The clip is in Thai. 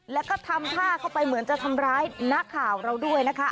แล้วก็ทำท่าเข้าไปเหมือนจะทำร้ายนักข่าวเราด้วยนะคะ